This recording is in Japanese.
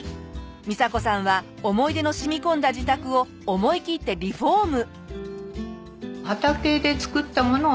みさ子さんは思い出の染み込んだ自宅を思いきってリフォーム。